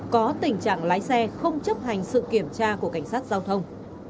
có tình trạng lái xe không chấp hành sự kiểm tra của cảnh sát giao thông